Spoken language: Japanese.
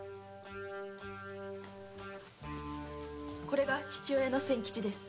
これが父親の仙吉です。